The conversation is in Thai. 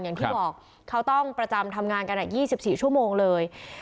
อย่างที่บอกเขาต้องประจำทำงานกัน๒๔ชั่วโมงเลย